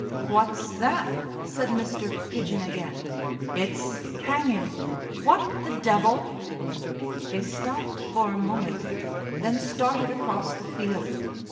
"What's that?" said Mr. Pidgen again. "It's hanging. What the devil!" They stopped for a moment, then started across the field.